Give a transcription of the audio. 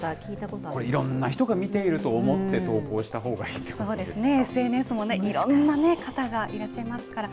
これ、いろんな人が見ていると思って投稿したほうがいいといそうですね、ＳＮＳもね、いろんな方がいらっしゃいますから。